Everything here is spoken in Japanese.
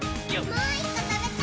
もう１こ、たべたい！